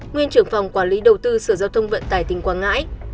nguyên trưởng phòng quản lý đầu tư sở giao thông vận tải tỉnh quảng ngãi